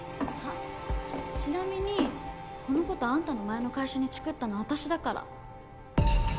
ちなみにこのことあんたの前の会社にチクったの私だから。